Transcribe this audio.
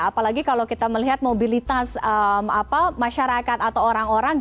apalagi kalau kita melihat mobilitas masyarakat atau orang orang